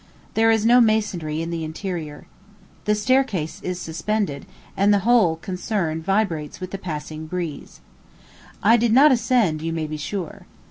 There is no masonry in the interior. The staircase is suspended, and the whole concern vibrates with the passing breeze. I did not ascend, you may be sure.